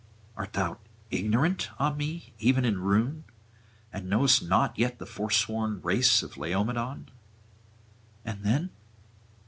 art thou ignorant, ah me, even in ruin, and knowest not yet the forsworn race of Laomedon? And then?